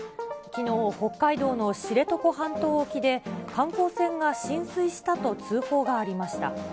きのう、北海道の知床半島沖で、観光船が浸水したと通報がありました。